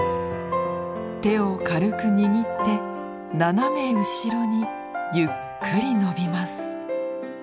手を軽く握って斜め後ろにゆっくり伸びます。